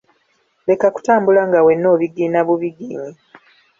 Leka kutambula nga wenna obigiina bubugiinyi.